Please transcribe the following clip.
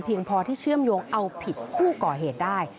พอที่เชื่อมโยงเอาผิดผู้ก่อเหตุได้